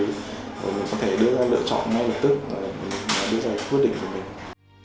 mình có thể đưa ra lựa chọn ngay lập tức và đưa ra quyết định cho mình